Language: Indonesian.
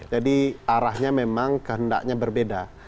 jadi arahnya memang kehendaknya berbeda